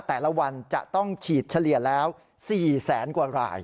แต่ละวันจะต้องฉีดเฉลี่ยแล้ว๔แสนกว่าราย